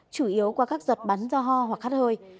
chủ yếu qua các giọt bắn do ho hoa hoặc khát hồi